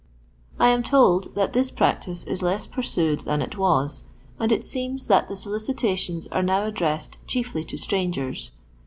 I am told that this practice is less pursued than it was, and it seems that the solicitations are now addressed chiefly to strangers.